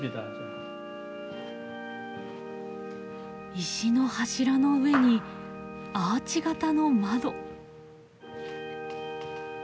石の柱の上にアーチ型の窓。